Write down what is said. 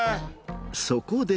そこで。